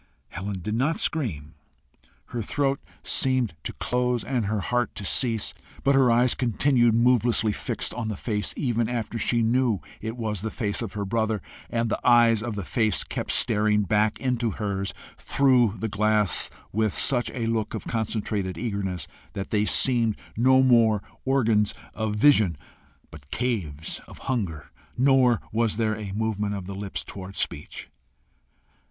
Helen did not scream her throat seemed to close and her heart to cease. But her eyes continued movelessly fixed on the face even after she knew it was the face of her brother, and the eyes of the face kept staring back into hers through the glass with such a look of concentrated eagerness that they seemed no more organs of vision, but caves of hunger, nor was there a movement of the lips towards speech.